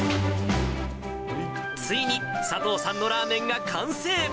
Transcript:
ついに、佐藤さんのラーメンが完成。